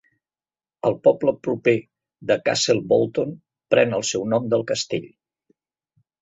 El poble proper de Castle Bolton pren el seu nom del castell.